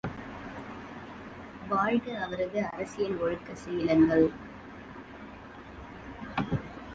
வாழ்க அவரது அரசியல் ஒழுக்க சீலங்கள்!